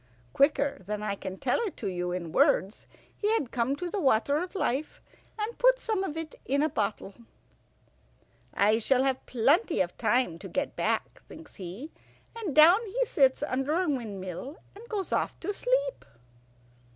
Quicker than I can tell it you in words he had come to the water of life, and put some of it in a bottle. "I shall have plenty of time to get back," thinks he, and down he sits under a windmill and goes off to sleep.